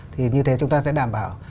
thì như thế chúng ta sẽ đảm bảo